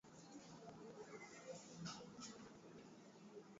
Wabaptisti Mtawa amepokea katika maisha yake ushauri wa mtume